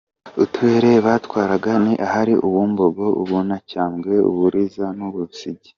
Uturere batwaraga ni ahari u Bumbogo ,u Banacyambwe ,u Buriza n’u Busigi .